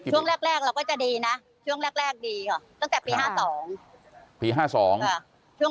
ช่วงแรกแรกเราก็จะดีนะช่วงแรกดีค่ะตั้งแต่ปี๕๒ปี๕๒ค่ะ